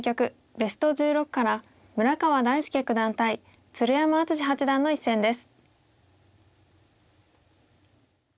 ベスト１６から村川大介九段対鶴山淳志八段の一戦です。